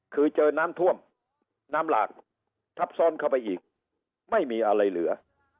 คือเจอน้ำท่วมน้ำหลากทับซ้อนเข้าไปอีกไม่มีอะไรเหลือ